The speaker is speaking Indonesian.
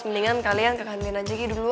mendingan kalian ke kantin aja gitu